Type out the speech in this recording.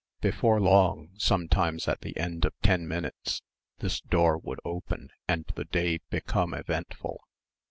Before long, sometimes at the end of ten minutes, this door would open and the day become eventful.